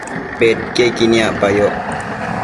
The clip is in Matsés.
bedquiequi niacpayoc